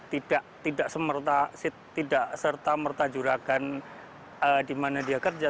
tidak serta merta juragan di mana dia kerja